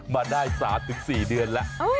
มาได้๓๔เดือนแล้ว